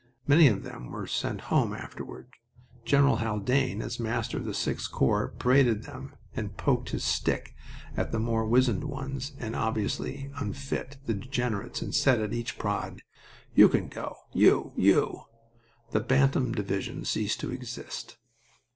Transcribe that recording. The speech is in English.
Many of them were sent home afterward. General Haldane, as commander of the 6th Corps, paraded them, and poked his stick at the more wizened ones, the obviously unfit, the degenerates, and said at each prod, "You can go... You. ..You...." The Bantam Division ceased to exist.